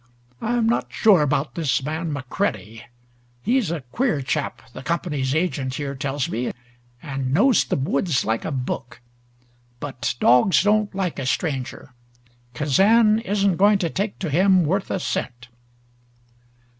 I'm not sure about this man McCready. He's a queer chap, the Company's agent here tells me, and knows the woods like a book. But dogs don't like a stranger. Kazan isn't going to take to him worth a cent!"